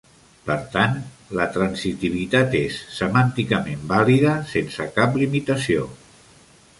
Per tant, la transitivitat és semànticament vàlida sense cap limitació.